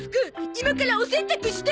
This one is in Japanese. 今からお洗濯して！